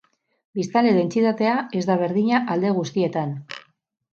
Biztanle-dentsitatea ez da berdina alde guztietan.